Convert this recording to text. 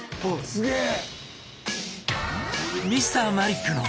すげえ！